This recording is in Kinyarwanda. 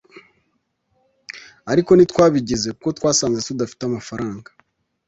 ariko ntitwabigize kuko twasanze tudafite amafaranga